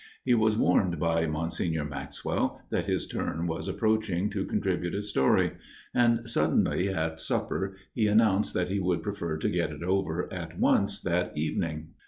He was warned by Monsignor Maxwell that his turn was approaching to contribute a story ; and suddenly at supper he announced that he would prefer to get it over at once that evening.